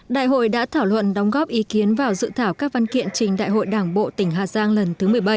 đại hội đã thảo luận đóng góp ý kiến vào dự thảo các văn kiện trình đại hội đảng bộ tỉnh hà giang lần thứ một mươi bảy